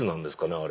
あれ。